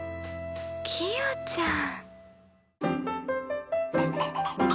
キヨちゃん。